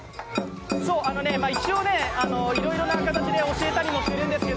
一応、いろいろな形で教えたりもしているんですが